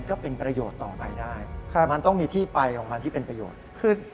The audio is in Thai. ก็มีบริการเก็บ